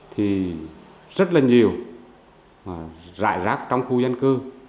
thì rất là nhiều rại rác trong khu dân cư